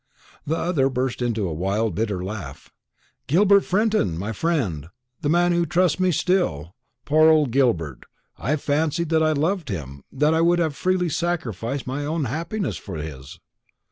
The other burst into a wild bitter laugh. "Gilbert Fenton my friend, the man who trusts me still! Poor old Gilbert! and I fancied that I loved him, that I would have freely sacrificed my own happiness for his."